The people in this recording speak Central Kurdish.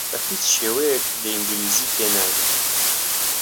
بە هیچ شێوەیەک لە ئینگلیزی تێناگەن.